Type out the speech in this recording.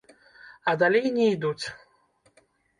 А далей не ідуць.